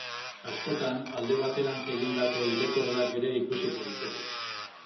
Askotan alde baterantz egindako ilekordak ere ikusiko ditugu.